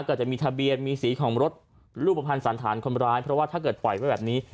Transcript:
ก็จะมีทะเบียนมีสีของรถรูปภัณฑ์สันธารคนร้ายเพราะว่าถ้าเกิดปล่อยไว้แบบนี้